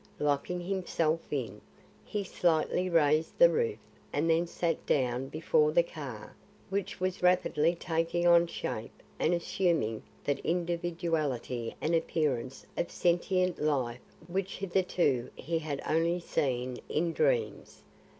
Locking himself in, he slightly raised the roof and then sat down before the car which was rapidly taking on shape and assuming that individuality and appearance of sentient life which hitherto he had only seen in dreams.